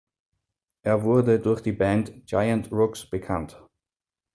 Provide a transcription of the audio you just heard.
Er wurde durch die Band Giant Rooks bekannt.